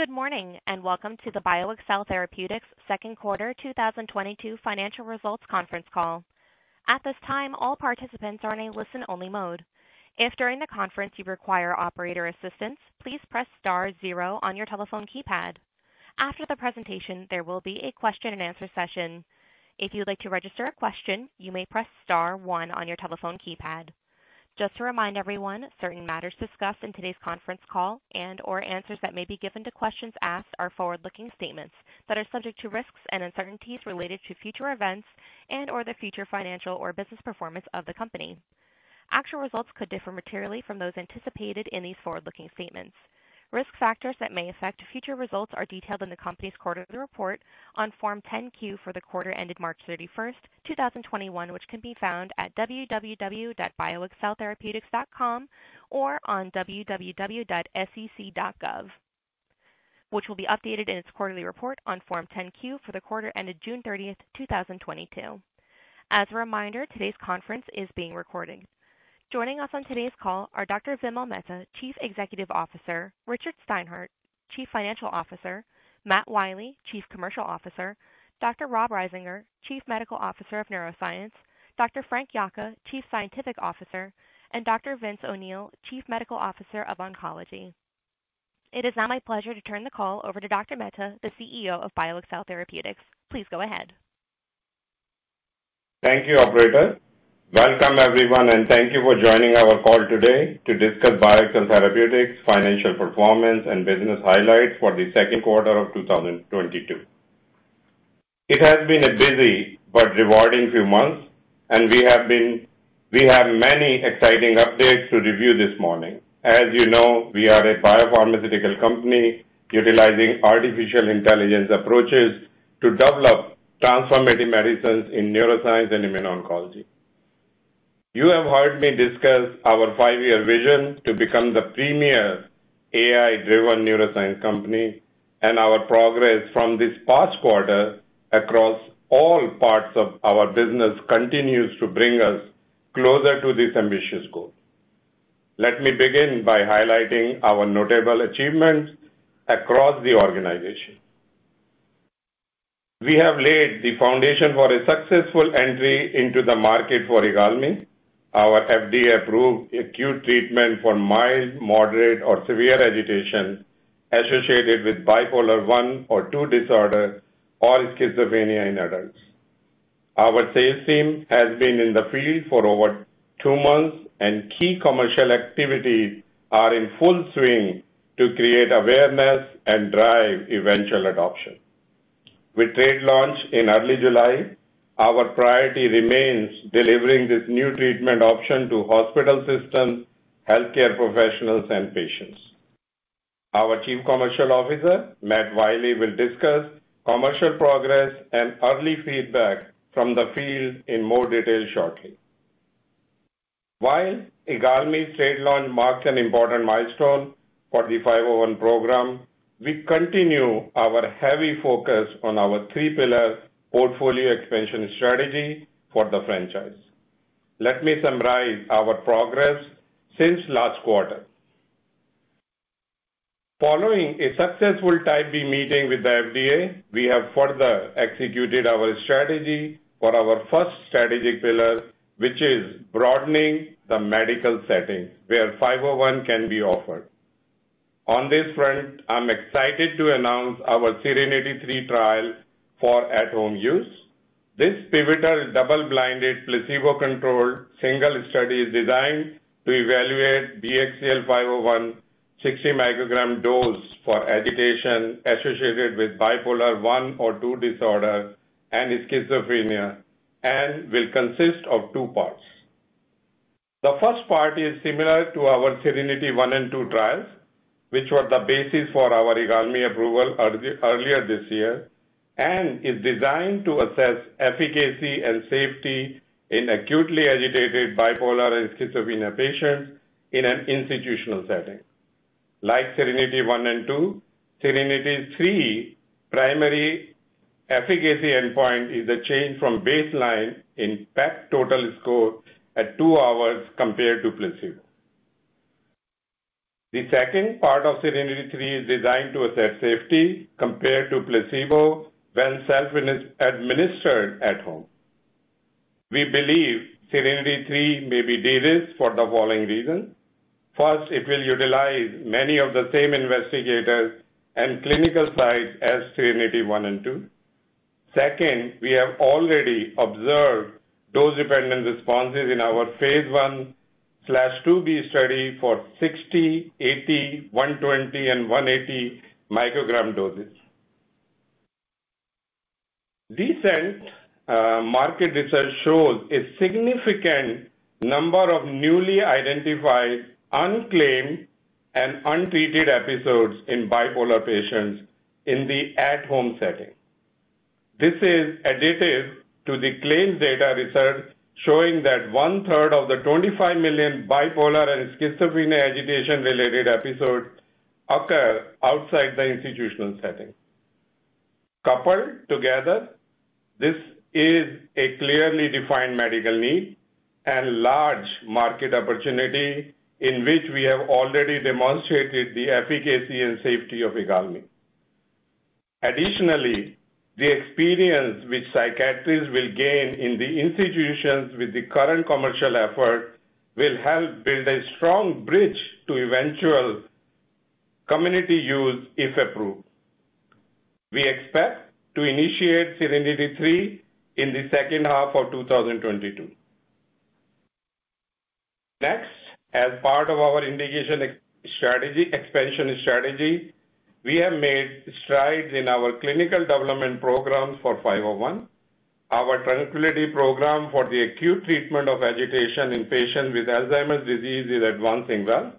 Good morning, and welcome to the BioXcel Therapeutics Second Quarter 2022 Financial Results Conference Call. At this time, all participants are in a listen-only mode. If during the conference you require operator assistance, please press star zero on your telephone keypad. After the presentation, there will be a question-and-answer session. If you'd like to register a question, you may press star one on your telephone keypad. Just to remind everyone, certain matters discussed in today's conference call and/or answers that may be given to questions asked are forward-looking statements that are subject to risks and uncertainties related to future events and/or the future financial or business performance of the company. Actual results could differ materially from those anticipated in these forward-looking statements. Risk factors that may affect future results are detailed in the company's quarterly report on Form 10-Q for the quarter ended March 31, 2021, which can be found at www.bioxceltherapeutics.com or on www.sec.gov, which will be updated in its quarterly report on Form 10-Q for the quarter ended June 30, 2022. As a reminder, today's conference is being recorded. Joining us on today's call are Dr. Vimal Mehta, Chief Executive Officer, Richard Steinhart, Chief Financial Officer, Matt Wiley, Chief Commercial Officer, Dr. Rob Risinger, Chief Medical Officer of Neuroscience, Dr. Frank Yocca, Chief Scientific Officer, and Dr. Vincent O'Neill, Chief Medical Officer of Oncology. It is now my pleasure to turn the call over to Dr. Mehta, the CEO of BioXcel Therapeutics. Please go ahead. Thank you, operator. Welcome, everyone, and thank you for joining our call today to discuss BioXcel Therapeutics' financial performance and business highlights for the second quarter of 2022. It has been a busy but rewarding few months, and we have many exciting updates to review this morning. As you know, we are a biopharmaceutical company utilizing artificial intelligence approaches to develop transformative medicines in neuroscience and immuno-oncology. You have heard me discuss our five-year vision to become the premier AI-driven neuroscience company and our progress from this past quarter across all parts of our business continues to bring us closer to this ambitious goal. Let me begin by highlighting our notable achievements across the organization. We have laid the foundation for a successful entry into the market for IGALMI, our FDA-approved acute treatment for mild, moderate, or severe agitation associated with bipolar I or II disorder or schizophrenia in adults. Our sales team has been in the field for over two months, and key commercial activities are in full swing to create awareness and drive eventual adoption. With trade launch in early July, our priority remains delivering this new treatment option to hospital systems, healthcare professionals, and patients. Our Chief Commercial Officer, Matt Wiley, will discuss commercial progress and early feedback from the field in more detail shortly. While IGALMI's trade launch marked an important milestone for the BXCL501 program, we continue our heavy focus on our three-pillar portfolio expansion strategy for the franchise. Let me summarize our progress since last quarter. Following a successful Type B meeting with the FDA, we have further executed our strategy for our first strategic pillar, which is broadening the medical settings where BXCL501 can be offered. On this front, I'm excited to announce our SERENITY III trial for at-home use. This pivotal double-blinded, placebo-controlled single study is designed to evaluate BXCL501 60 microgram dose for agitation associated with bipolar I or II disorder and schizophrenia and will consist of two parts. The first part is similar to our SERENITY I and II trials, which were the basis for our IGALMI approval earlier this year, and is designed to assess efficacy and safety in acutely agitated bipolar and schizophrenia patients in an institutional setting. Like SERENITY I and II, SERENITY III primary efficacy endpoint is a change from baseline in PEC total score at two hours compared to placebo. The second part of SERENITY III is designed to assess safety compared to placebo when self-administered at home. We believe SERENITY III may be the data for the following reasons. First, it will utilize many of the same investigators and clinical sites as SERENITY I and II. Second, we have already observed dose-dependent responses in our phase 1/2B study for 60, 80, 120, and 180 microgram doses. Recent market research shows a significant number of newly identified unclaimed and untreated episodes in bipolar patients in the at-home setting. This is additive to the claims data research showing that one-third of the 25 million bipolar and schizophrenia agitation-related episodes occur outside the institutional setting. Coupled together, this is a clearly defined medical need and large market opportunity in which we have already demonstrated the efficacy and safety of IGALMI. The experience which psychiatrists will gain in the institutions with the current commercial effort will help build a strong bridge to eventual community use if approved. We expect to initiate SERENITY III in the second half of 2022. Next, as part of our indication expansion strategy, we have made strides in our clinical development programs for BXCL501. Our TRANQUILITY program for the acute treatment of agitation in patients with Alzheimer's disease is advancing well.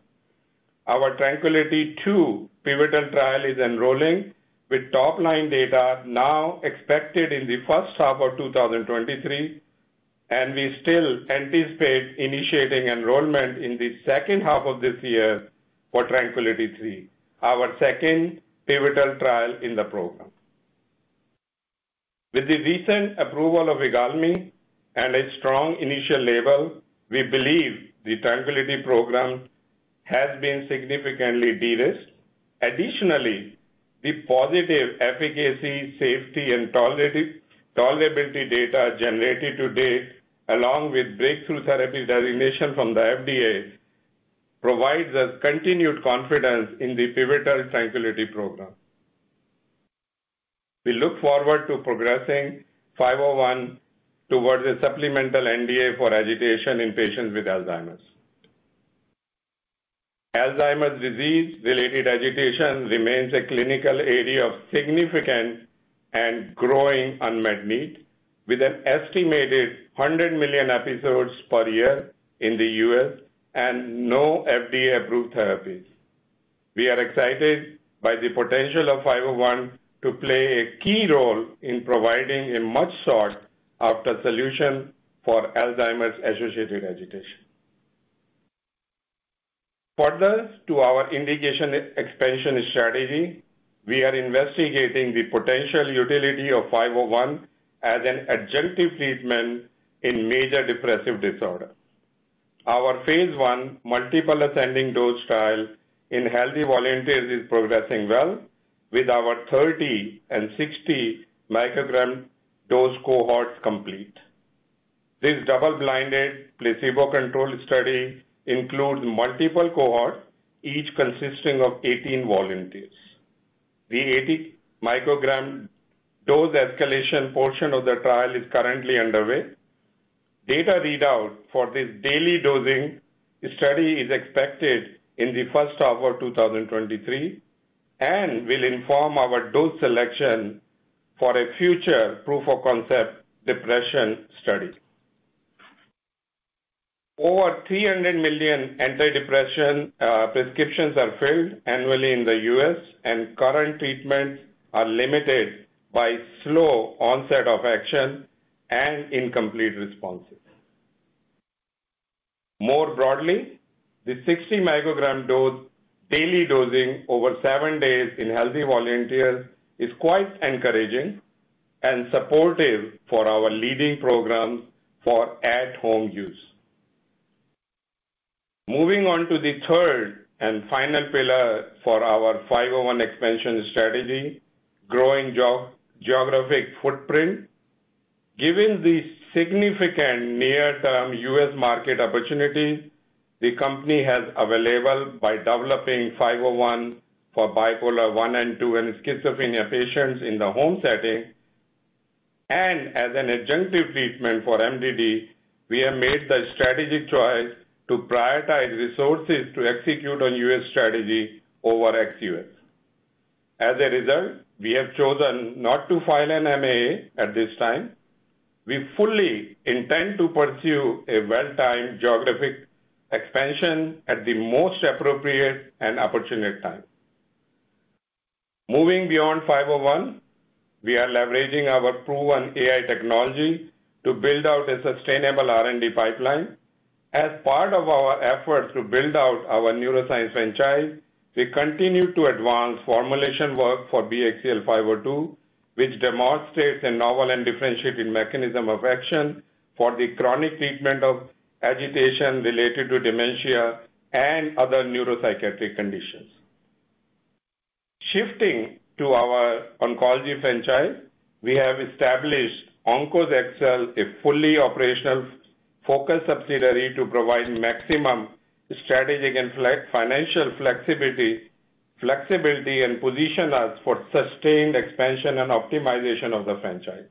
Our TRANQUILITY II pivotal trial is enrolling with top-line data now expected in the first half of 2023, and we still anticipate initiating enrollment in the second half of this year for TRANQUILITY III, our second pivotal trial in the program. With the recent approval of IGALMI and its strong initial label, we believe the TRANQUILITY program has been significantly de-risked. Additionally, the positive efficacy, safety, and tolerability data generated to date, along with breakthrough therapy designation from the FDA, provides us continued confidence in the pivotal TRANQUILITY program. We look forward to progressing BXCL501 towards a supplemental NDA for agitation in patients with Alzheimer's. Alzheimer's disease-related agitation remains a clinical area of significant and growing unmet need, with an estimated 100 million episodes per year in the U.S. and no FDA-approved therapies. We are excited by the potential of BXCL501 to play a key role in providing a much-sought-after solution for Alzheimer's-associated agitation. Further to our indication expansion strategy, we are investigating the potential utility of BXCL501 as an adjunctive treatment in major depressive disorder. Our phase I multiple ascending dose trial in healthy volunteers is progressing well, with our 30 and 60 microgram dose cohorts complete. This double-blinded placebo-controlled study includes multiple cohorts, each consisting of 18 volunteers. The 80 microgram dose escalation portion of the trial is currently underway. Data readout for this daily dosing study is expected in the first half of 2023 and will inform our dose selection for a future proof-of-concept depression study. Over 300 million antidepressant prescriptions are filled annually in the U.S., and current treatments are limited by slow onset of action and incomplete responses. More broadly, the 60 microgram dose daily dosing over seven days in healthy volunteers is quite encouraging and supportive for our leading programs for at-home use. Moving on to the third and final pillar for our BXCL501 expansion strategy, growing geographic footprint. Given the significant near-term U.S. market opportunity the company has available by developing BXCL501 for bipolar I and II and schizophrenia patients in the home setting and as an adjunctive treatment for MDD, we have made the strategic choice to prioritize resources to execute on U.S. strategy over ex-U.S. As a result, we have chosen not to file an MAA at this time. We fully intend to pursue a well-timed geographic expansion at the most appropriate and opportune time. Moving beyond BXCL501, we are leveraging our proven AI technology to build out a sustainable R&D pipeline. As part of our efforts to build out our neuroscience franchise, we continue to advance formulation work for BXCL502, which demonstrates a novel and differentiating mechanism of action for the chronic treatment of agitation related to dementia and other neuropsychiatric conditions. Shifting to our oncology franchise, we have established OnkosXcel, a fully operational focused subsidiary to provide maximum strategic and financial flexibility and position us for sustained expansion and optimization of the franchise.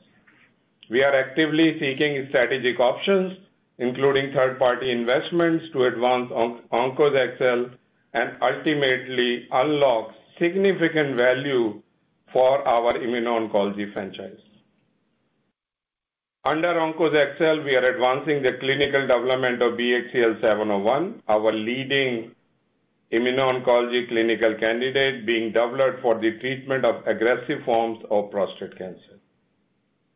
We are actively seeking strategic options, including third-party investments, to advance OnkosXcel and ultimately unlock significant value for our immuno-oncology franchise. Under OnkosXcel, we are advancing the clinical development of BXCL701, our leading immuno-oncology clinical candidate being developed for the treatment of aggressive forms of prostate cancer.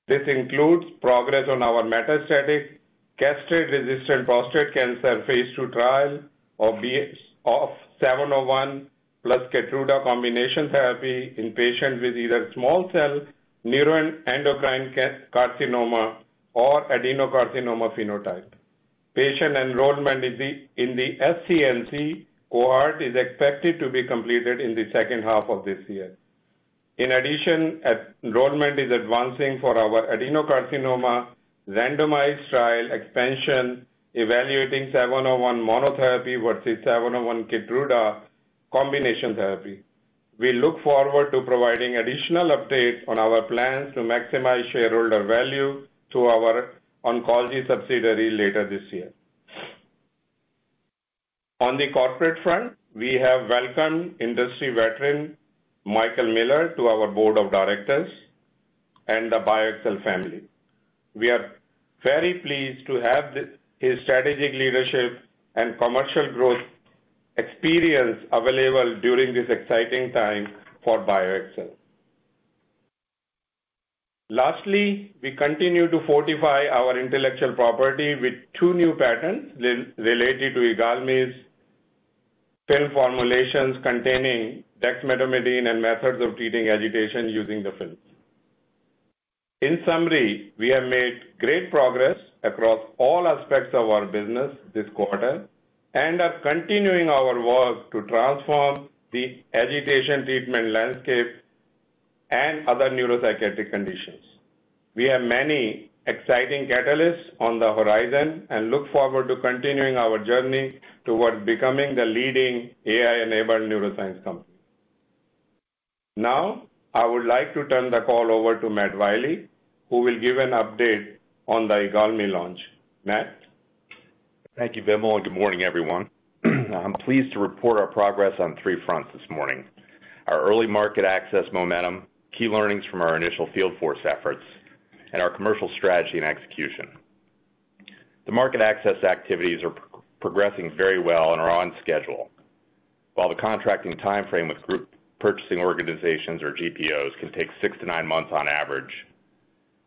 This includes progress on our metastatic castration-resistant prostate cancer phase II trial of BXCL701 plus KEYTRUDA combination therapy in patients with either small cell neuroendocrine carcinoma or adenocarcinoma phenotype. Patient enrollment in the SCNC cohort is expected to be completed in the second half of this year. In addition, enrollment is advancing for our adenocarcinoma randomized trial expansion, evaluating BXCL701 monotherapy versus BXCL701 KEYTRUDA combination therapy. We look forward to providing additional updates on our plans to maximize shareholder value to our OnkosXcel subsidiary later this year. On the corporate front, we have welcomed industry veteran Michael Miller to our board of directors and the BioXcel family. We are very pleased to have his strategic leadership and commercial growth experience available during this exciting time for BioXcel. Lastly, we continue to fortify our intellectual property with two new patents related to IGALMI's film formulations containing dexmedetomidine and methods of treating agitation using the films. In summary, we have made great progress across all aspects of our business this quarter and are continuing our work to transform the agitation treatment landscape and other neuropsychiatric conditions. We have many exciting catalysts on the horizon and look forward to continuing our journey towards becoming the leading AI-enabled neuroscience company. Now, I would like to turn the call over to Matt Wiley, who will give an update on the IGALMI launch. Matt? Thank you, Vimal, and good morning, everyone. I'm pleased to report our progress on three fronts this morning. Our early market access momentum, key learnings from our initial field force efforts, and our commercial strategy and execution. The market access activities are progressing very well and are on schedule. While the contracting timeframe with group purchasing organizations or GPOs can take six to nine months on average,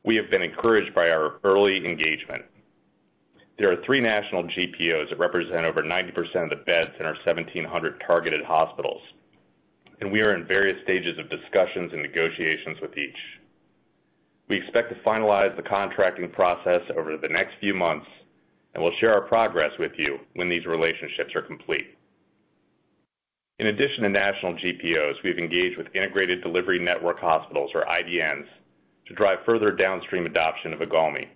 we have been encouraged by our early engagement. There are three national GPOs that represent over 90% of the beds in our 1,700 targeted hospitals, and we are in various stages of discussions and negotiations with each. We expect to finalize the contracting process over the next few months, and we'll share our progress with you when these relationships are complete. In addition to national GPOs, we've engaged with integrated delivery network hospitals, or IDNs, to drive further downstream adoption of IGALMI.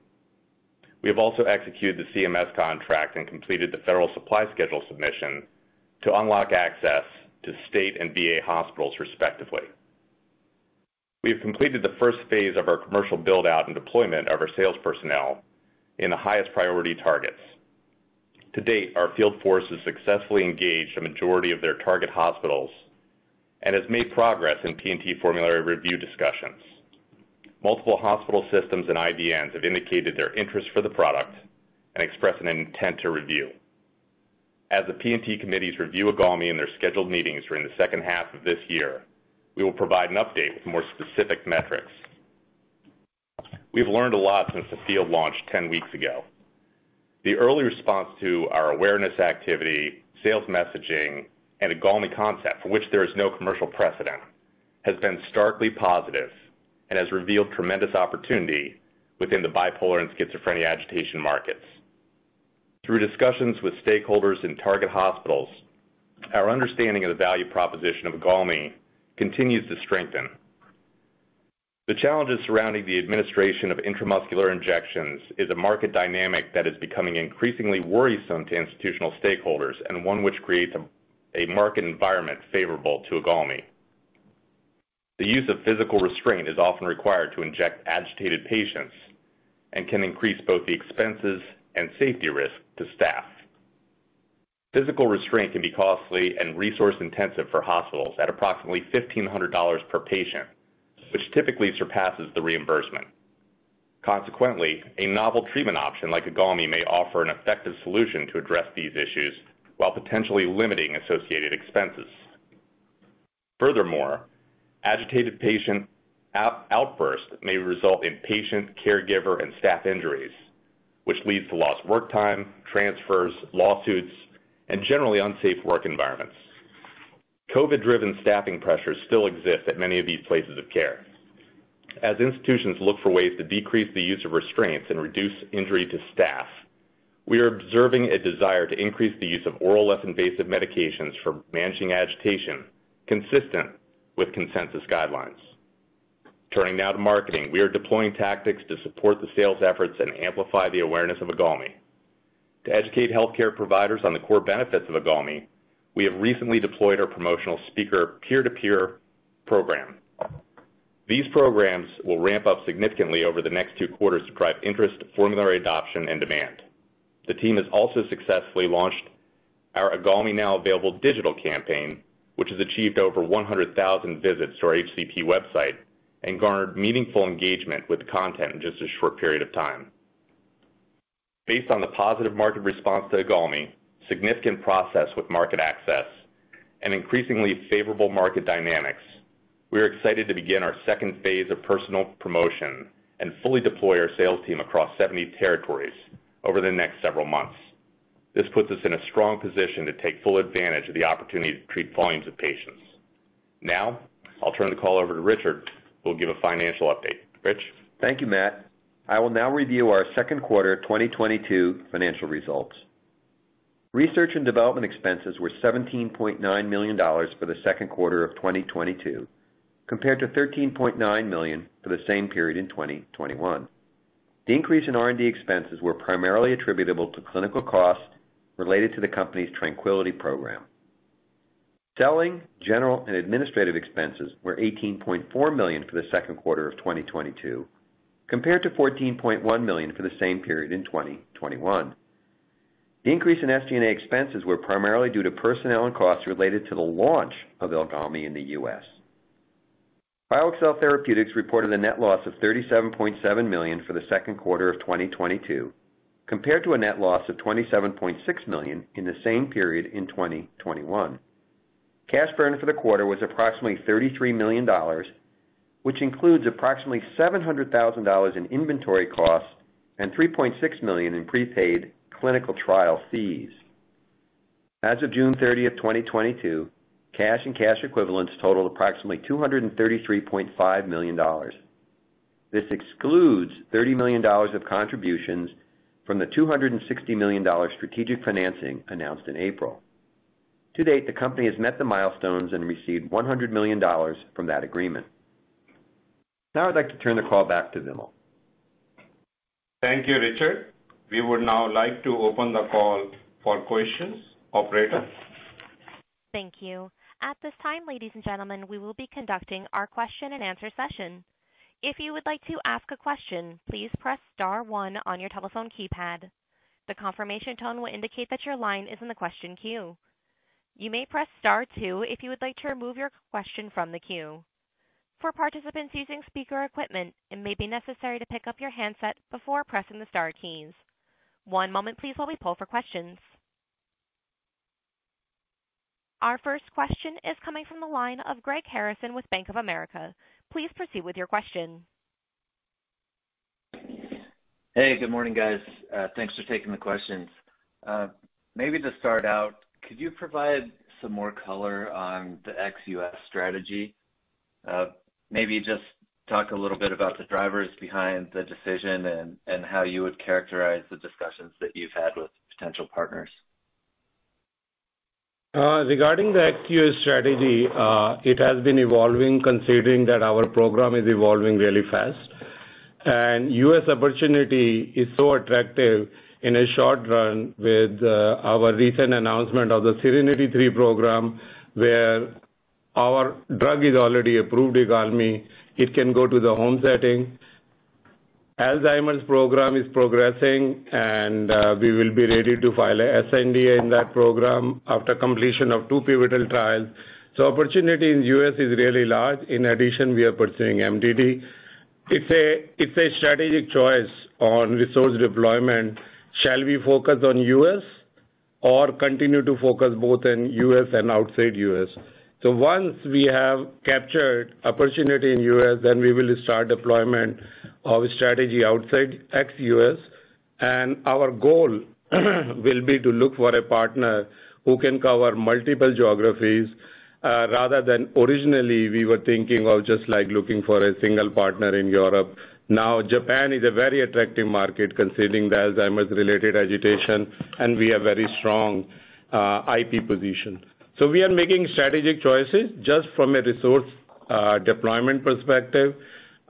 We have also executed the CMS contract and completed the Federal Supply Schedule submission to unlock access to state and VA hospitals, respectively. We have completed the first phase of our commercial build-out and deployment of our sales personnel in the highest priority targets. To date, our field force has successfully engaged a majority of their target hospitals and has made progress in P&T formulary review discussions. Multiple hospital systems and IDNs have indicated their interest for the product and expressed an intent to review. As the P&T committees review IGALMI in their scheduled meetings during the second half of this year, we will provide an update with more specific metrics. We've learned a lot since the field launch ten weeks ago. The early response to our awareness activity, sales messaging, and IGALMI concept, for which there is no commercial precedent, has been starkly positive and has revealed tremendous opportunity within the bipolar and schizophrenia agitation markets. Through discussions with stakeholders in target hospitals, our understanding of the value proposition of IGALMI continues to strengthen. The challenges surrounding the administration of intramuscular injections is a market dynamic that is becoming increasingly worrisome to institutional stakeholders and one which creates a market environment favorable to IGALMI. The use of physical restraint is often required to inject agitated patients and can increase both the expenses and safety risk to staff. Physical restraint can be costly and resource-intensive for hospitals at approximately $1,500 per patient, which typically surpasses the reimbursement. Consequently, a novel treatment option like IGALMI may offer an effective solution to address these issues while potentially limiting associated expenses. Furthermore, agitated patient outbursts may result in patient, caregiver, and staff injuries, which leads to lost work time, transfers, lawsuits, and generally unsafe work environments. COVID-driven staffing pressures still exist at many of these places of care. As institutions look for ways to decrease the use of restraints and reduce injury to staff, we are observing a desire to increase the use of oral less invasive medications for managing agitation consistent with consensus guidelines. Turning now to marketing. We are deploying tactics to support the sales efforts and amplify the awareness of IGALMI. To educate healthcare providers on the core benefits of IGALMI, we have recently deployed our promotional speaker peer-to-peer program. These programs will ramp up significantly over the next two quarters to drive interest, formulary adoption, and demand. The team has also successfully launched our IGALMI now available digital campaign, which has achieved over 100,000 visits to our HCP website and garnered meaningful engagement with content in just a short period of time. Based on the positive market response to IGALMI, significant progress with market access and increasingly favorable market dynamics, we are excited to begin our second phase of personal promotion and fully deploy our sales team across 70 territories over the next several months. This puts us in a strong position to take full advantage of the opportunity to treat volumes of patients. Now I'll turn the call over to Richard Steinhart, who will give a financial update. Rich? Thank you, Matt. I will now review our second quarter 2022 financial results. Research and development expenses were $17.9 million for the second quarter of 2022, compared to $13.9 million for the same period in 2021. The increase in R&D expenses were primarily attributable to clinical costs related to the company's TRANQUILITY program. Selling, general and administrative expenses were $18.4 million for the second quarter of 2022, compared to $14.1 million for the same period in 2021. The increase in SG&A expenses were primarily due to personnel and costs related to the launch of IGALMI in the U.S. BioXcel Therapeutics reported a net loss of $37.7 million for the second quarter of 2022, compared to a net loss of $27.6 million in the same period in 2021. Cash burn for the quarter was approximately $33 million, which includes approximately $700,000 in inventory costs and $3.6 million in prepaid clinical trial fees. As of June 30, 2022, cash and cash equivalents totaled approximately $233.5 million. This excludes $30 million of contributions from the $260 million strategic financing announced in April. To date, the company has met the milestones and received $100 million from that agreement. Now I'd like to turn the call back to Vimal. Thank you, Richard. We would now like to open the call for questions. Operator? Thank you. At this time, ladies and gentlemen, we will be conducting our question-and-answer session. If you would like to ask a question, please press star one on your telephone keypad. The confirmation tone will indicate that your line is in the question queue. You may press star two if you would like to remove your question from the queue. For participants using speaker equipment, it may be necessary to pick up your handset before pressing the star keys. One moment please while we poll for questions. Our first question is coming from the line of Greg Harrison with Bank of America. Please proceed with your question. Hey, good morning, guys. Thanks for taking the questions. Maybe to start out, could you provide some more color on the ex-U.S. strategy? Maybe just talk a little bit about the drivers behind the decision and how you would characterize the discussions that you've had with potential partners. Regarding the ex-U.S. strategy, it has been evolving considering that our program is evolving really fast. U.S. opportunity is so attractive in a short run with our recent announcement of the SERENITY III program, where our drug is already approved, IGALMI, it can go to the home setting. Alzheimer's program is progressing and we will be ready to file a SNDA in that program after completion of two pivotal trials. Opportunity in U.S. is really large. In addition, we are pursuing MDD. It's a strategic choice on resource deployment. Shall we focus on U.S. or continue to focus both in U.S. and outside U.S.? Once we have captured opportunity in U.S., then we will start deployment of strategy outside ex-U.S. Our goal will be to look for a partner who can cover multiple geographies, rather than originally we were thinking of just like looking for a single partner in Europe. Now Japan is a very attractive market considering the Alzheimer's-related agitation, and we have very strong IP position. We are making strategic choices just from a resource deployment perspective.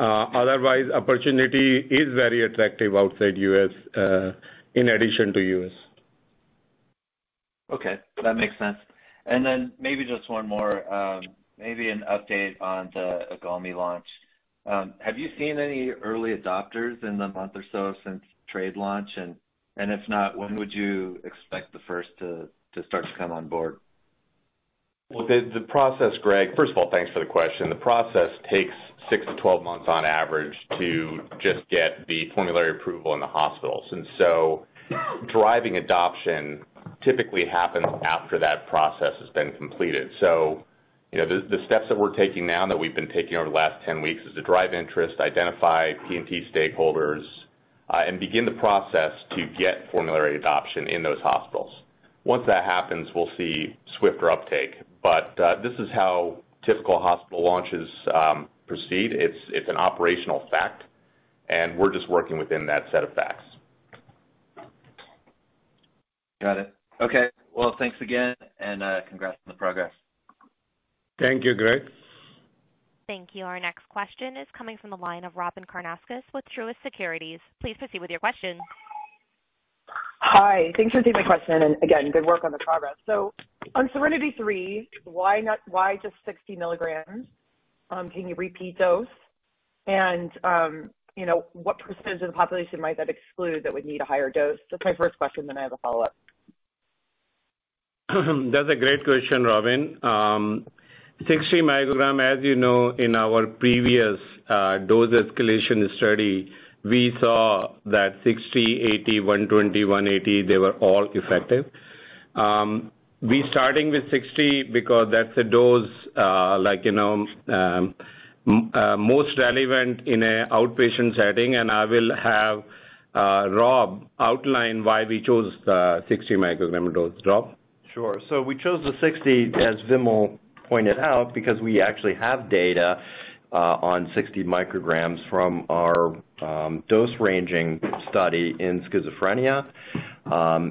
Otherwise opportunity is very attractive outside U.S., in addition to U.S. Okay, that makes sense. Maybe just one more, maybe an update on the IGALMI launch. Have you seen any early adopters in the month or so since trade launch? If not, when would you expect the first to start to come on board? Well, the process, Greg. First of all, thanks for the question. The process takes six to 12 months on average to just get the formulary approval in the hospitals. Driving adoption typically happens after that process has been completed. You know, the steps that we're taking now, that we've been taking over the last 10 weeks is to drive interest, identify P&T stakeholders, and begin the process to get formulary adoption in those hospitals. Once that happens, we'll see swifter uptake. This is how typical hospital launches proceed. It's an operational fact and we're just working within that set of facts. Got it. Okay. Well, thanks again and, congrats on the progress. Thank you, Greg. Thank you. Our next question is coming from the line of Robyn Karnauskas with Truist Securities. Please proceed with your question. Hi. Thanks for taking my question. Again, good work on the progress. On SERENITY III, why just 60 milligrams? Can you repeat dose? You know, what percentage of the population might that exclude that would need a higher dose? That's my first question, then I have a follow-up. That's a great question, Robin. 60 microgram, as you know, in our previous, dose escalation study, we saw that 60, 80, 120, 180, they were all effective. We starting with 60 because that's a dose, like, you know, most relevant in a outpatient setting, and I will have, Rob outline why we chose the 60 microgram dose. Rob? Sure. We chose the 60, as Vimal pointed out, because we actually have data on 60 micrograms from our dose ranging study in schizophrenia.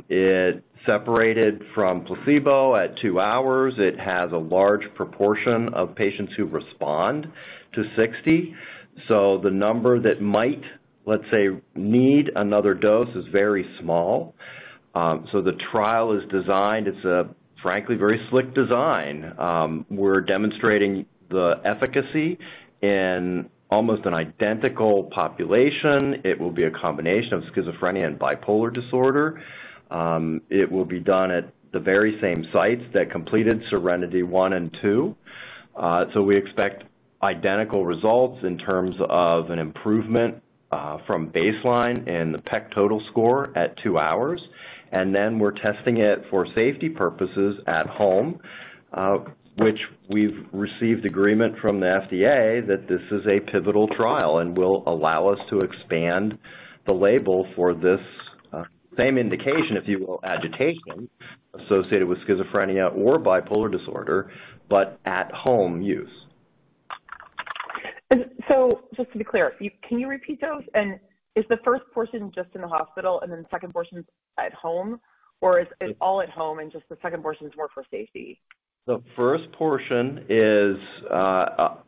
It separated from placebo at two hours. It has a large proportion of patients who respond to 60. The number that might, let's say, need another dose is very small. The trial is designed, it's a frankly very slick design. We're demonstrating the efficacy in almost an identical population. It will be a combination of schizophrenia and bipolar disorder. It will be done at the very same sites that completed SERENITY I and II. We expect identical results in terms of an improvement from baseline in the PEC total score at two hours. We're testing it for safety purposes at home, which we've received agreement from the FDA that this is a pivotal trial and will allow us to expand the label for this, same indication, if you will, agitation associated with schizophrenia or bipolar disorder, but at home use. Just to be clear, can you repeat those? Is the first portion just in the hospital and then the second portion at home? Or is it all at home and just the second portion is more for safety? The first portion is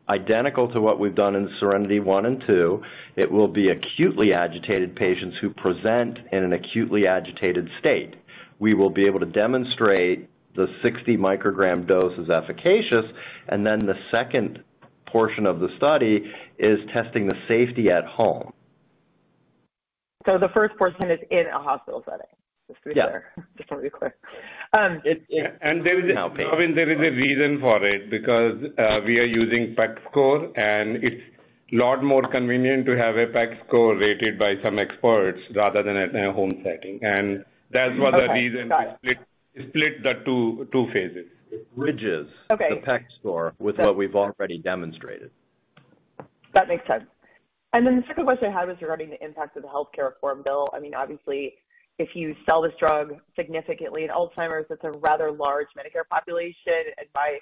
identical to what we've done in SERENITY I and II. It will be acutely agitated patients who present in an acutely agitated state. We will be able to demonstrate the 60 microgram dose is efficacious, and then the second portion of the study is testing the safety at home. The first portion is in a hospital setting? Yeah. Just wanna be clear. It's in outpatients. Robin, there is a reason for it because we are using PEC score, and it's a lot more convenient to have a PEC score rated by some experts rather than at a home setting. That's what the reason Okay, got it. To split the two phases. It bridges. Okay. The PEC score with what we've already demonstrated. That makes sense. Then the second question I had was regarding the impact of the healthcare reform bill. I mean, obviously, if you sell this drug significantly in Alzheimer's, it's a rather large Medicare population, and by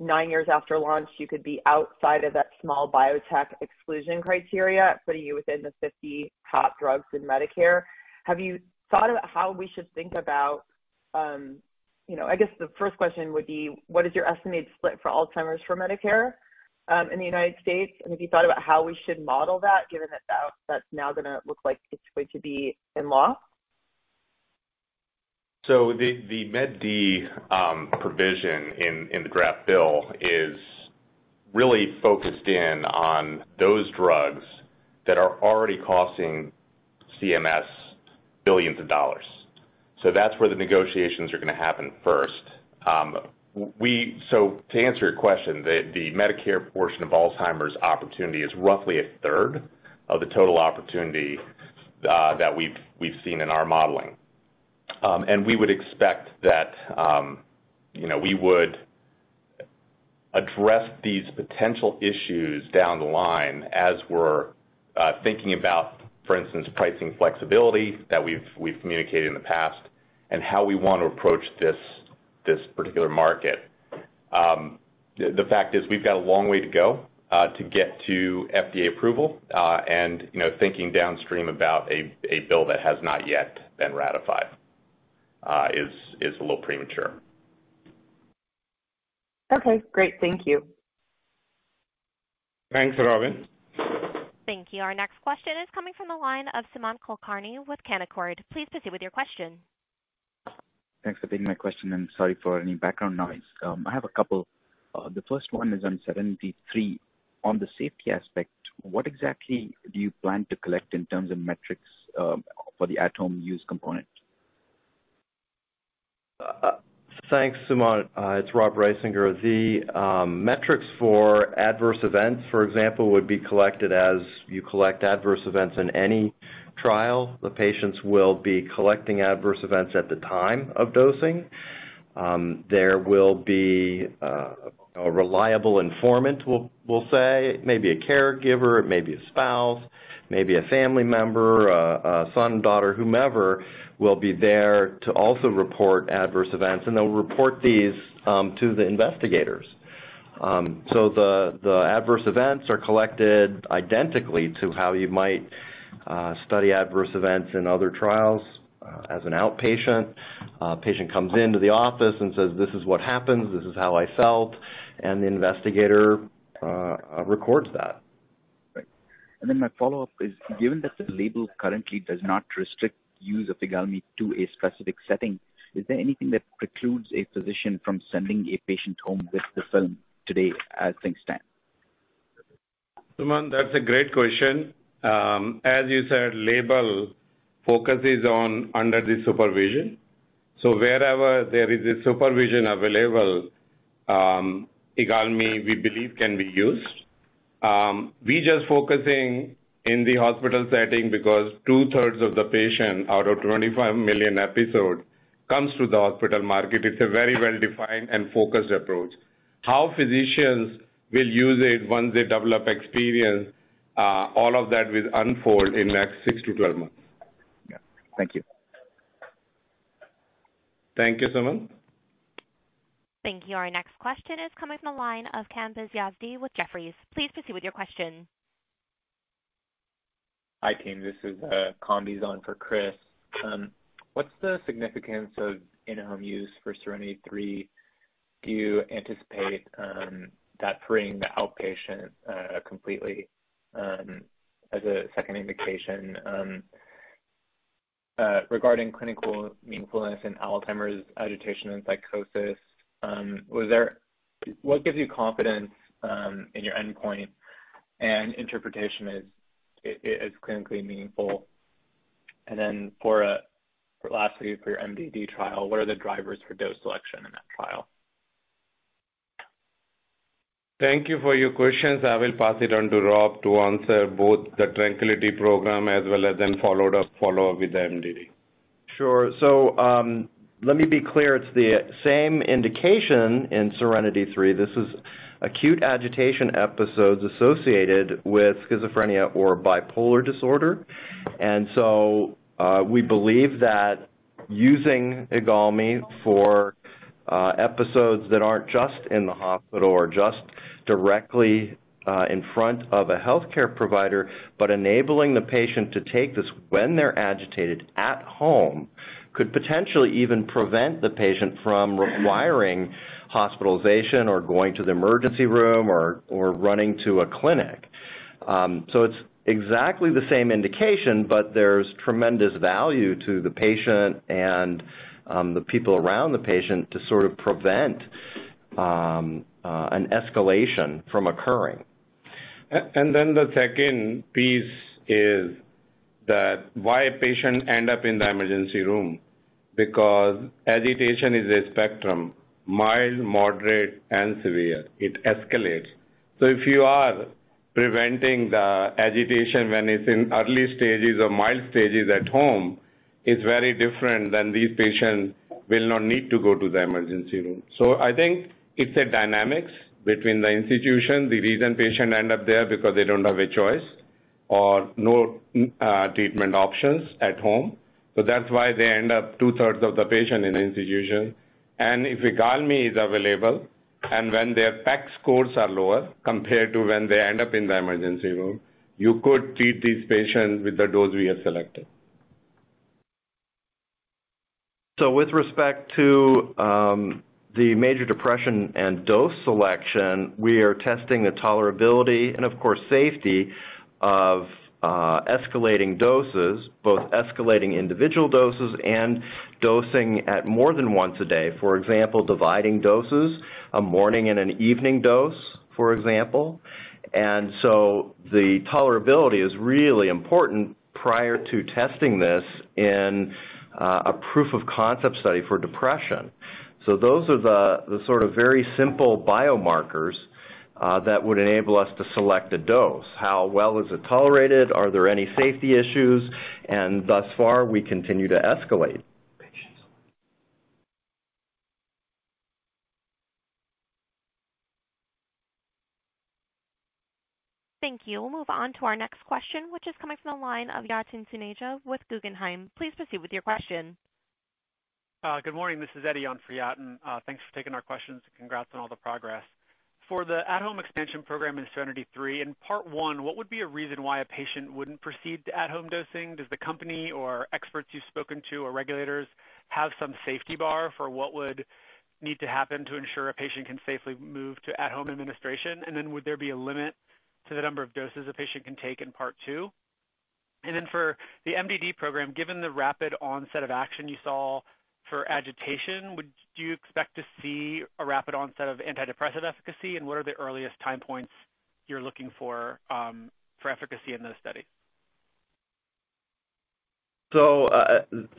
nine years after launch, you could be outside of that small biotech exclusion criteria, putting you within the 50 top drugs in Medicare. Have you thought about how we should think about, you know, I guess the first question would be, what is your estimated split for Alzheimer's for Medicare in the United States? Have you thought about how we should model that given that that's now gonna look like it's going to be in law? The Med D provision in the draft bill is really focused in on those drugs that are already costing CMS billions of dollars. That's where the negotiations are gonna happen first. To answer your question, the Medicare portion of Alzheimer's opportunity is roughly a third of the total opportunity that we've seen in our modeling. We would expect that, you know, we would address these potential issues down the line as we're thinking about, for instance, pricing flexibility that we've communicated in the past and how we want to approach this particular market. The fact is we've got a long way to go to get to FDA approval. You know, thinking downstream about a bill that has not yet been ratified is a little premature. Okay, great. Thank you. Thanks, Robin. Thank you. Our next question is coming from the line of Sumant Kulkarni with Canaccord. Please proceed with your question. Thanks for taking my question, and sorry for any background noise. I have a couple. The first one is on SERENITY III. On the safety aspect, what exactly do you plan to collect in terms of metrics, for the at home use component? Thanks, Sumant. It's Rob Risinger. The metrics for adverse events, for example, would be collected as you collect adverse events in any trial. The patients will be collecting adverse events at the time of dosing. There will be a reliable informant. We'll say, maybe a caregiver, maybe a spouse, maybe a family member, a son, daughter, whomever, will be there to also report adverse events, and they'll report these to the investigators. The adverse events are collected identically to how you might study adverse events in other trials as an outpatient. Patient comes into the office and says, "This is what happens. This is how I felt." The investigator records that. Right. My follow-up is, given that the label currently does not restrict use of IGALMI to a specific setting, is there anything that precludes a physician from sending a patient home with the film today as things stand? Sumant, that's a great question. As you said, label focuses on under the supervision. Wherever there is supervision available, IGALMI, we believe can be used. We just focusing in the hospital setting because 2/3 of the patient out of 25 million episode comes to the hospital market. It's a very well-defined and focused approach. How physicians will use it once they develop experience, all of that will unfold in the next six to 12 months. Yeah. Thank you. Thank you, Sumant. Thank you. Our next question is coming from the line of Kambiz Yazdi with Jefferies. Please proceed with your question. Hi, team. This is Kambiz on for Chris. What's the significance of in-home use for SERENITY III? Do you anticipate that freeing the outpatient completely as a second indication? Regarding clinical meaningfulness in Alzheimer's agitation and psychosis, what gives you confidence in your endpoint and interpretation is clinically meaningful? Lastly, for your MDD trial, what are the drivers for dose selection in that trial? Thank you for your questions. I will pass it on to Rob to answer both the TRANQUILITY program as well as then follow up with the MDD. Sure. Let me be clear. It's the same indication in SERENITY III. This is acute agitation episodes associated with schizophrenia or bipolar disorder. We believe that using IGALMI for episodes that aren't just in the hospital or just directly in front of a healthcare provider, but enabling the patient to take this when they're agitated at home could potentially even prevent the patient from requiring hospitalization or going to the emergency room or running to a clinic. It's exactly the same indication, but there's tremendous value to the patient and the people around the patient to sort of prevent an escalation from occurring. The second piece is that why patients end up in the emergency room because agitation is a spectrum, mild, moderate, and severe. It escalates. If you are preventing the agitation when it's in early stages or mild stages at home, it's very different than these patients will not need to go to the emergency room. I think it's a dynamics between the institution. The reason patients end up there because they don't have a choice or no treatment options at home. That's why they end up 2/3 of the patients in institution. If IGALMI is available and when their PEC scores are lower compared to when they end up in the emergency room, you could treat these patients with the dose we have selected. With respect to the major depression and dose selection, we are testing the tolerability and of course, safety of escalating doses, both escalating individual doses and dosing at more than once a day. For example, dividing doses, a morning and an evening dose, for example. The tolerability is really important prior to testing this in a proof of concept study for depression. Those are the sort of very simple biomarkers that would enable us to select a dose. How well is it tolerated? Are there any safety issues? Thus far, we continue to escalate. Thank you. We'll move on to our next question, which is coming from the line of Yatin Suneja with Guggenheim. Please proceed with your question. Good morning. This is Eddie on for Yatin. Thanks for taking our questions. Congrats on all the progress. For the at-home expansion program in SERENITY III, in part one, what would be a reason why a patient wouldn't proceed to at-home dosing? Does the company or experts you've spoken to or regulators have some safety bar for what would need to happen to ensure a patient can safely move to at-home administration? Would there be a limit to the number of doses a patient can take in part two? For the MDD program, given the rapid onset of action you saw for agitation, would you expect to see a rapid onset of antidepressant efficacy, and what are the earliest time points you're looking for efficacy in those studies?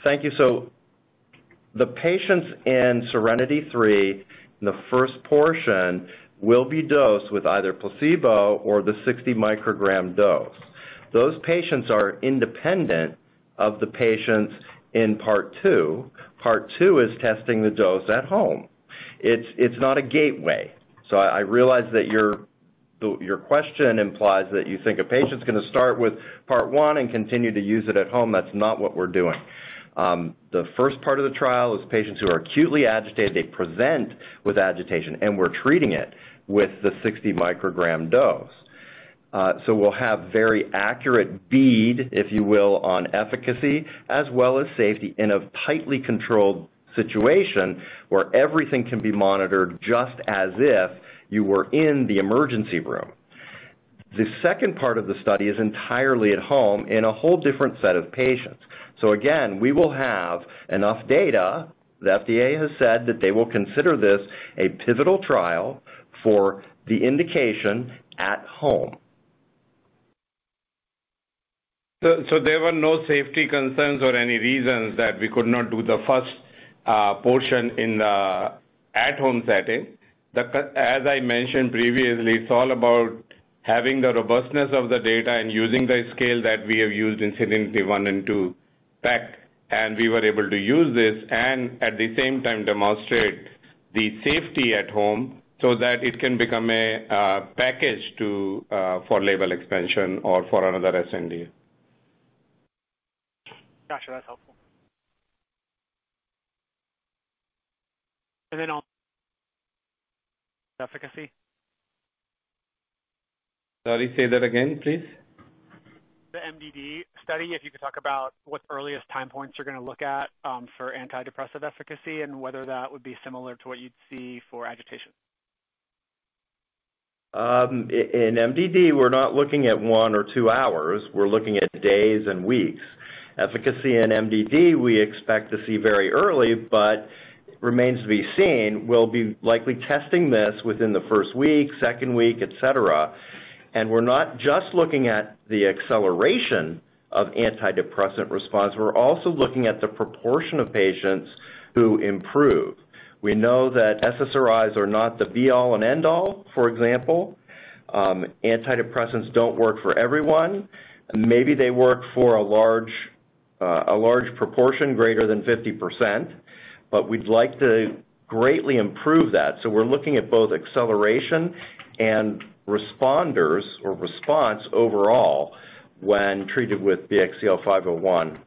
Thank you. The patients in SERENITY III, the first portion will be dosed with either placebo or the 60 microgram dose. Those patients are independent of the patients in part two. Part two is testing the dose at home. It's not a gateway. I realize that your question implies that you think a patient's gonna start with part one and continue to use it at home. That's not what we're doing. The first part of the trial is patients who are acutely agitated, they present with agitation, and we're treating it with the 60 microgram dose. We'll have very accurate read, if you will, on efficacy as well as safety in a tightly controlled situation where everything can be monitored just as if you were in the emergency room. The second part of the study is entirely at home in a whole different set of patients. Again, we will have enough data. The FDA has said that they will consider this a pivotal trial for the indication at home. There were no safety concerns or any reasons that we could not do the first portion in the at-home setting. As I mentioned previously, it's all about having the robustness of the data and using the scale that we have used in SERENITY I and SERENITY II back. We were able to use this and at the same time demonstrate the safety at home so that it can become a package to for label expansion or for another sNDA. Got you. That's helpful. On efficacy. Sorry, say that again, please. The MDD study, if you could talk about what earliest time points you're gonna look at for antidepressive efficacy and whether that would be similar to what you'd see for agitation? In MDD, we're not looking at one or two hours. We're looking at days and weeks. Efficacy in MDD, we expect to see very early but remains to be seen. We'll be likely testing this within the first week, second week, et cetera. We're not just looking at the acceleration of antidepressant response, we're also looking at the proportion of patients who improve. We know that SSRIs are not the be all and end all, for example. Antidepressants don't work for everyone. Maybe they work for a large proportion, greater than 50%, but we'd like to greatly improve that. We're looking at both acceleration and responders or response overall when treated with BXCL501.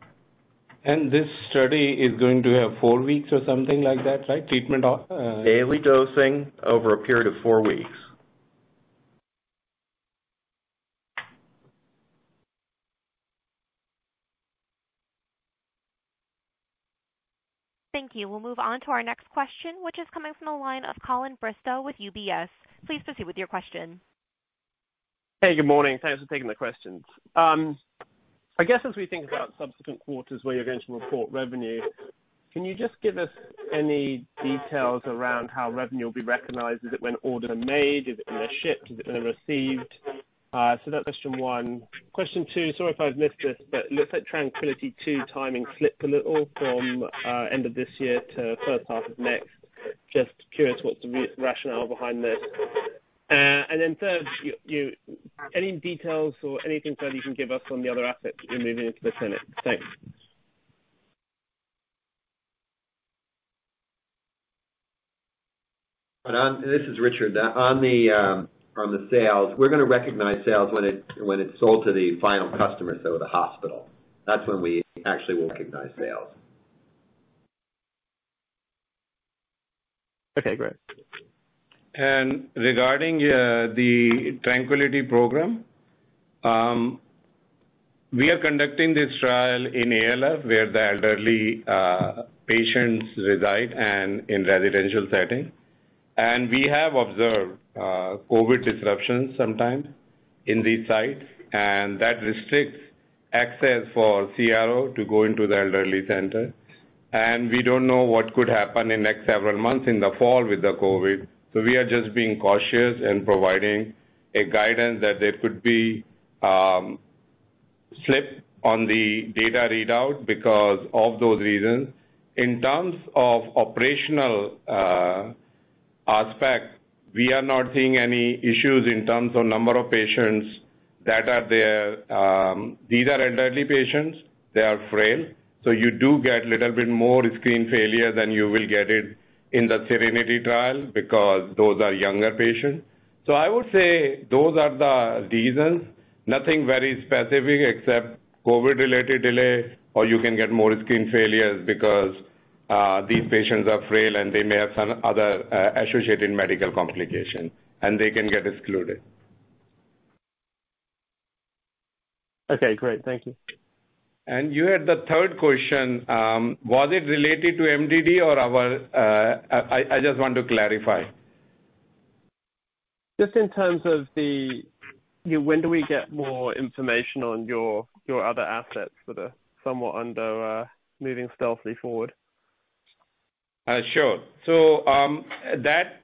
This study is going to have four weeks or something like that, right? Daily dosing over a period of four weeks. Thank you. We'll move on to our next question, which is coming from the line of Colin Bristow with UBS. Please proceed with your question. Hey, good morning. Thanks for taking the questions. I guess as we think about subsequent quarters where you're going to report revenue, can you just give us any details around how revenue will be recognized? Is it when orders are made? Is it when they're shipped? Is it when they're received? That's question one. Question two, sorry if I've missed this, but looks like TRANQUILITY II timing slipped a little from end of this year to first half of next. Just curious what's the rationale behind this. And then third, you any details or anything that you can give us on the other assets you're moving into the clinic? Thanks. This is Richard. On the sales, we're gonna recognize sales when it's sold to the final customer, so the hospital. That's when we actually will recognize sales. Okay, great. Regarding the TRANQUILITY program, we are conducting this trial in ALF where the elderly patients reside and in residential setting. We have observed COVID disruptions sometimes in these sites, and that restricts access for CRO to go into the elderly center. We don't know what could happen in next several months in the fall with the COVID. We are just being cautious and providing a guidance that there could be slip on the data readout because of those reasons. In terms of operational aspect, we are not seeing any issues in terms of number of patients that are there. These are elderly patients. They are frail. You do get little bit more screen failure than you will get it in the SERENITY trial because those are younger patients. I would say those are the reasons. Nothing very specific except COVID-related delay or you can get more screen failures because these patients are frail and they may have some other associated medical complications, and they can get excluded. Okay, great. Thank you. You had the third question, was it related to MDD? I just want to clarify. When do we get more information on your other assets that are somewhat under moving stealthily forward? Sure. That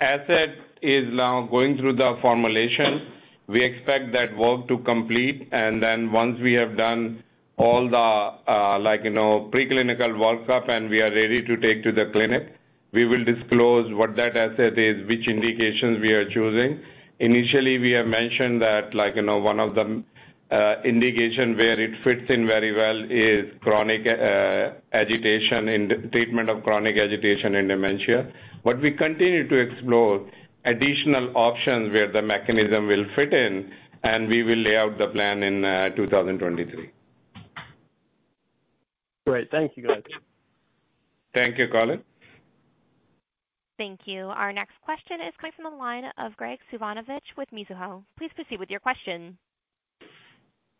asset is now going through the formulation. We expect that work to complete, and then once we have done all the, like, you know, preclinical workup and we are ready to take to the clinic, we will disclose what that asset is, which indications we are choosing. Initially, we have mentioned that, like, you know, one of them, indication where it fits in very well is treatment of chronic agitation in dementia. We continue to explore additional options where the mechanism will fit in, and we will lay out the plan in 2023. Great. Thank you, guys. Thank you, Colin. Thank you. Our next question is coming from the line of Graig Suvannavejh with Mizuho. Please proceed with your question.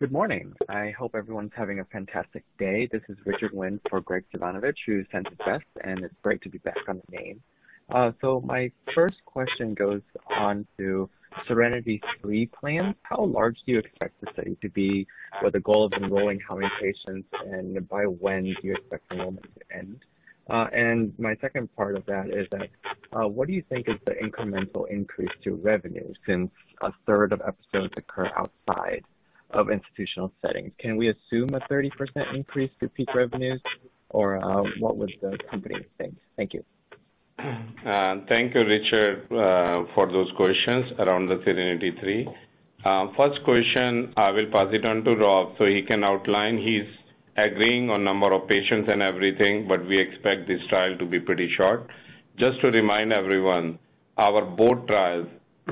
Good morning. I hope everyone's having a fantastic day. This is Richard Wynn for Graig Suvannavejh, who sends his best, and it's great to be back on here. My first question goes on to SERENITY III plan. How large do you expect the study to be? What's the goal of enrolling how many patients, and by when do you expect enrollment to end? My second part of that is that, what do you think is the incremental increase to revenue since a third of episodes occur outside of institutional settings? Can we assume a 30% increase to peak revenues, or, what would the company think? Thank you. Thank you, Richard, for those questions around the SERENITY III. First question, I will pass it on to Rob so he can outline. He's agreeing on number of patients and everything, but we expect this trial to be pretty short. Just to remind everyone, our prior trials,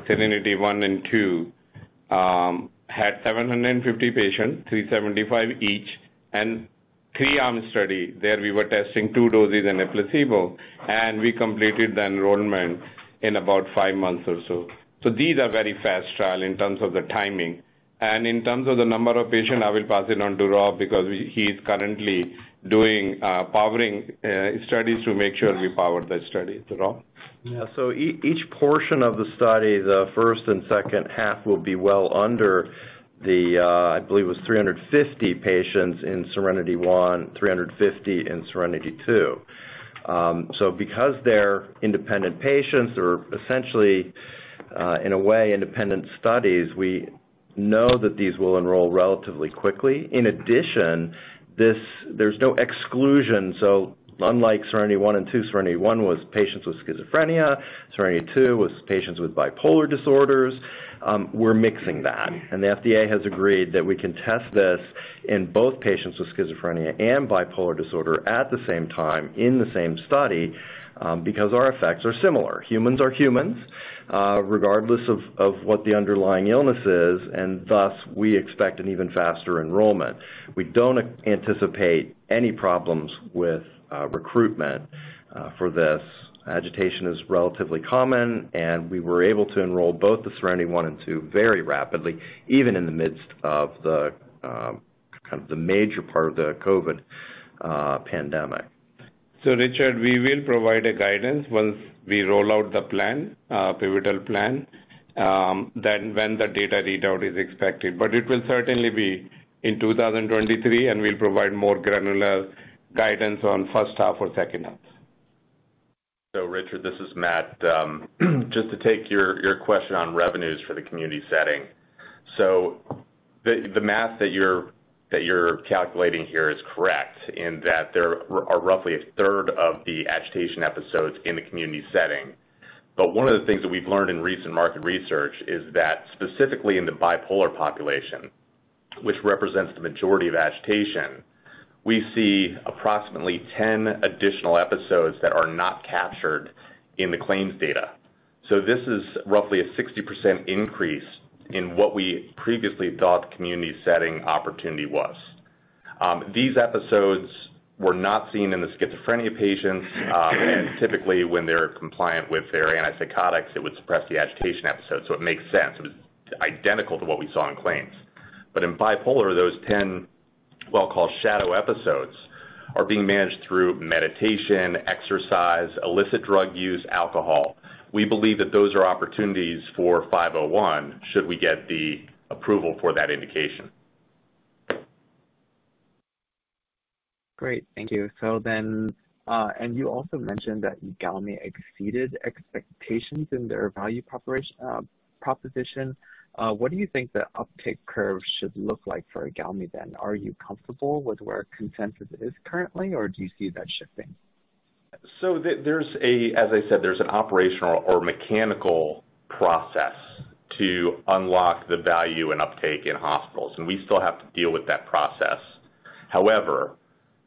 SERENITY I and II, had 750 patients, 375 each, and three-arm study where we were testing two doses and a placebo, and we completed the enrollment in about five months or so. These are very fast trial in terms of the timing. In terms of the number of patients, I will pass it on to Rob because he's currently doing powering studies to make sure we power the study. Rob. Yeah. Each portion of the study, the first and second half will be well under the, I believe it was 350 patients in SERENITY I, 350 in SERENITY II. Because they're independent patients or essentially, in a way, independent studies, we know that these will enroll relatively quickly. In addition, there's no exclusion. Unlike SERENITY I and II, SERENITY I was patients with schizophrenia, SERENITY II was patients with bipolar disorders, we're mixing that. The FDA has agreed that we can test this in both patients with schizophrenia and bipolar disorder at the same time in the same study, because our effects are similar. Humans are humans, regardless of what the underlying illness is, and thus, we expect an even faster enrollment. We don't anticipate any problems with recruitment for this. Agitation is relatively common, and we were able to enroll both the SERENITY I and SERENITY II very rapidly, even in the midst of the kind of the major part of the COVID pandemic. Richard, we will provide a guidance once we roll out the plan, pivotal plan, then when the data readout is expected. It will certainly be in 2023, and we'll provide more granular guidance on first half or second half. Richard, this is Matt. Just to take your question on revenues for the community setting. The math that you're calculating here is correct in that there are roughly a third of the agitation episodes in the community setting. One of the things that we've learned in recent market research is that specifically in the bipolar population, which represents the majority of agitation, we see approximately 10 additional episodes that are not captured in the claims data. This is roughly a 60% increase in what we previously thought the community setting opportunity was. These episodes were not seen in the schizophrenia patients, and typically when they're compliant with their antipsychotics, it would suppress the agitation episode. It makes sense. It was identical to what we saw in claims. In bipolar, those 10, we'll call shadow episodes, are being managed through meditation, exercise, illicit drug use, alcohol. We believe that those are opportunities for BXCL501 should we get the approval for that indication. Great. Thank you. You also mentioned that IGALMI exceeded expectations in their value proposition. What do you think the uptake curve should look like for IGALMI then? Are you comfortable with where consensus is currently, or do you see that shifting? As I said, there's an operational or mechanical process to unlock the value and uptake in hospitals, and we still have to deal with that process. However,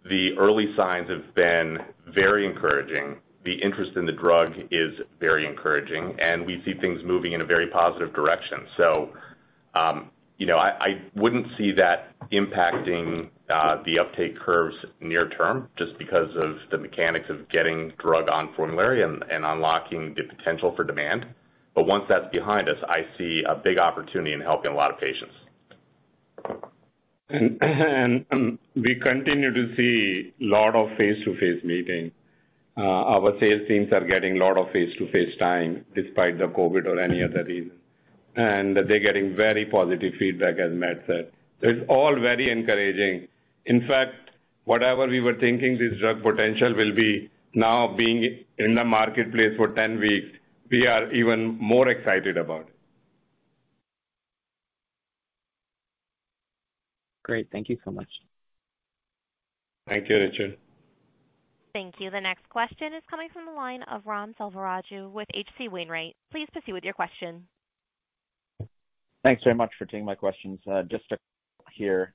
the early signs have been very encouraging. The interest in the drug is very encouraging, and we see things moving in a very positive direction. You know, I wouldn't see that impacting the uptake curves near term just because of the mechanics of getting drug on formulary and unlocking the potential for demand. Once that's behind us, I see a big opportunity in helping a lot of patients. We continue to see lot of face-to-face meeting. Our sales teams are getting lot of face-to-face time despite the COVID or any other reason, and they're getting very positive feedback, as Matt said. It's all very encouraging. In fact, whatever we were thinking this drug potential will be now being in the marketplace for 10 weeks, we are even more excited about it. Great. Thank you so much. Thank you, Richard. Thank you. The next question is coming from the line of Ram Selvaraju with H.C. Wainwright. Please proceed with your question. Thanks very much for taking my questions.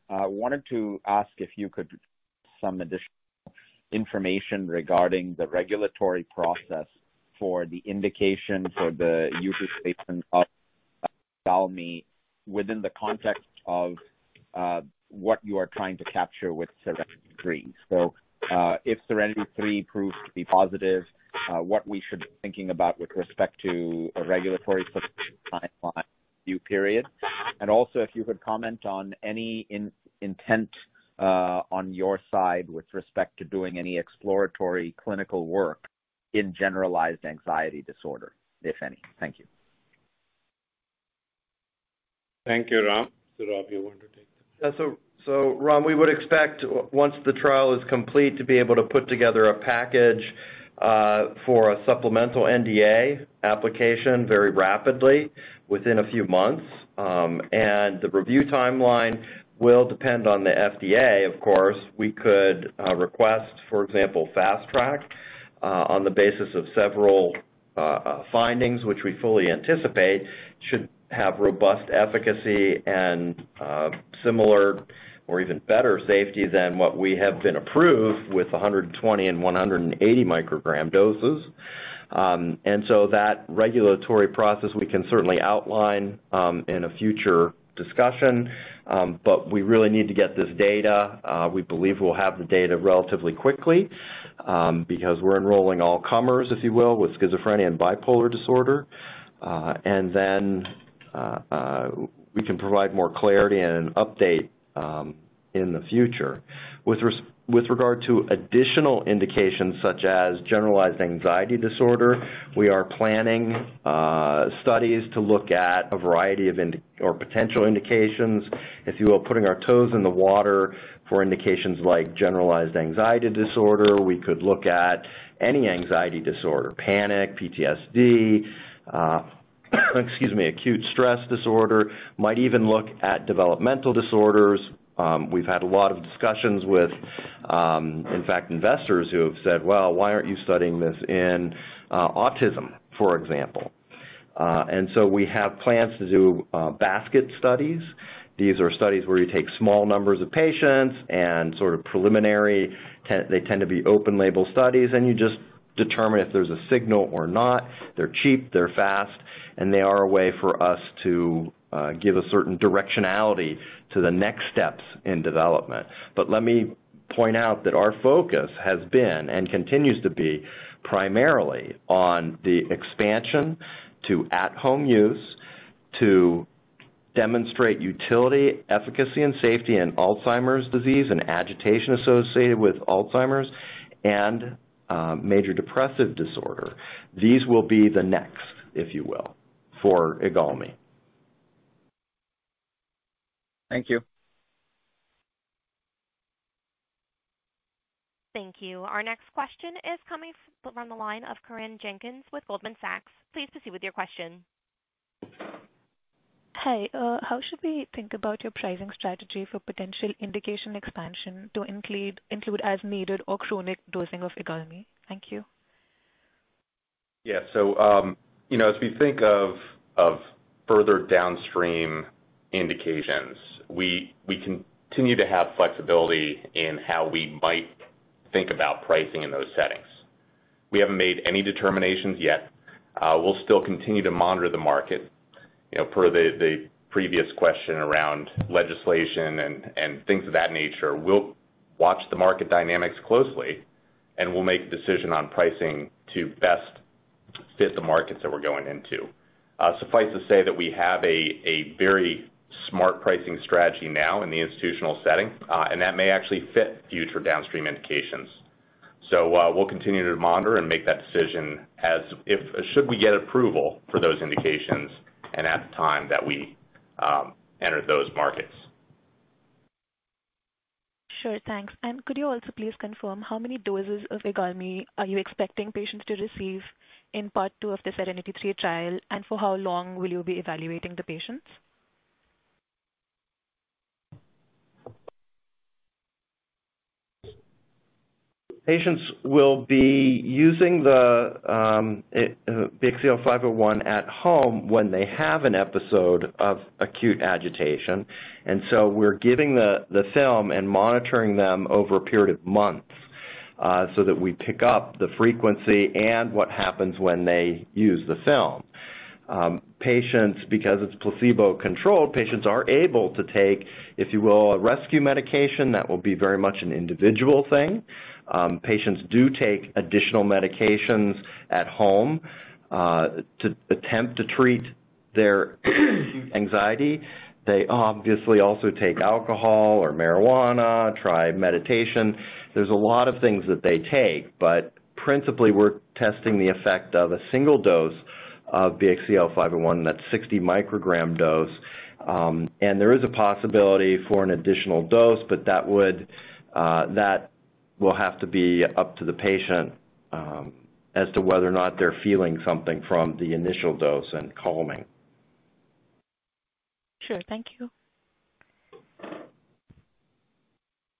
Wanted to ask if you could provide some additional information regarding the regulatory process for the indication for the label statement of IGALMI within the context of what you are trying to capture with SERENITY III. If SERENITY III proves to be positive, what we should be thinking about with respect to a regulatory timeline review period. Also, if you could comment on any intent on your side with respect to doing any exploratory clinical work in generalized anxiety disorder, if any. Thank you. Thank you, Ram. Rob, you want to take this? So Ram, we would expect once the trial is complete, to be able to put together a package for a supplemental NDA application very rapidly within a few months. The review timeline will depend on the FDA, of course. We could request, for example, fast track on the basis of several findings, which we fully anticipate should have robust efficacy and similar or even better safety than what we have been approved with 120 and 180 microgram doses. That regulatory process, we can certainly outline in a future discussion. We really need to get this data. We believe we'll have the data relatively quickly because we're enrolling all comers, if you will, with schizophrenia and bipolar disorder. We can provide more clarity and an update in the future. With regard to additional indications such as generalized anxiety disorder, we are planning studies to look at a variety of or potential indications. If you are putting our toes in the water for indications like generalized anxiety disorder, we could look at any anxiety disorder, panic, PTSD, excuse me, acute stress disorder. Might even look at developmental disorders. We've had a lot of discussions with, in fact, investors who have said, "Well, why aren't you studying this in autism, for example?" We have plans to do basket studies. These are studies where you take small numbers of patients and sort of preliminary they tend to be open label studies, and you just determine if there's a signal or not. They're cheap, they're fast, and they are a way for us to give a certain directionality to the next steps in development. Let me point out that our focus has been and continues to be primarily on the expansion to at home use to demonstrate utility, efficacy and safety in Alzheimer's disease and agitation associated with Alzheimer's and major depressive disorder. These will be the next, if you will, for IGALMI. Thank you. Thank you. Our next question is coming from the line of Corinne Jenkins with Goldman Sachs. Please proceed with your question. Hi. How should we think about your pricing strategy for potential indication expansion to include as needed or chronic dosing of IGALMI? Thank you. Yeah. You know, as we think of further downstream indications, we continue to have flexibility in how we might think about pricing in those settings. We haven't made any determinations yet. We'll still continue to monitor the market, you know, per the previous question around legislation and things of that nature. We'll watch the market dynamics closely, and we'll make a decision on pricing to best fit the markets that we're going into. Suffice to say that we have a very smart pricing strategy now in the institutional setting, and that may actually fit future downstream indications. We'll continue to monitor and make that decision as if should we get approval for those indications and at the time that we enter those markets. Sure. Thanks. Could you also please confirm how many doses of IGALMI are you expecting patients to receive in part two of the SERENITY III trial, and for how long will you be evaluating the patients? Patients will be using the BXCL501 at home when they have an episode of acute agitation. We're giving the film and monitoring them over a period of months, so that we pick up the frequency and what happens when they use the film. Patients, because it's placebo controlled, patients are able to take, if you will, a rescue medication that will be very much an individual thing. Patients do take additional medications at home to attempt to treat their anxiety. They obviously also take alcohol or marijuana, try meditation. There's a lot of things that they take, but principally, we're testing the effect of a single dose of BXCLBXCL501, that's 60 microgram dose. There is a possibility for an additional dose, but that will have to be up to the patient as to whether or not they're feeling something from the initial dose and calming. Sure. Thank you.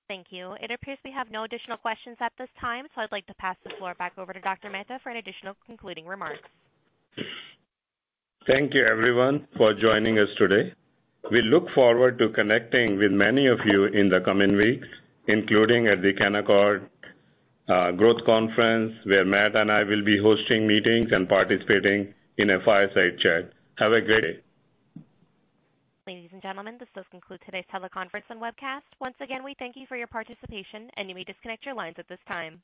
Thank you. It appears we have no additional questions at this time, so I'd like to pass the floor back over to Dr. Mehta for any additional concluding remarks. Thank you, everyone, for joining us today. We look forward to connecting with many of you in the coming weeks, including at the Canaccord Genuity Growth Conference, where Matt and I will be hosting meetings and participating in a fireside chat. Have a great day. Ladies and gentlemen, this does conclude today's teleconference and webcast. Once again, we thank you for your participation, and you may disconnect your lines at this time.